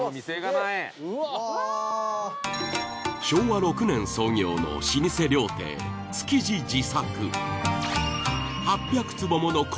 昭和６年創業の老舗料亭つきじ治作。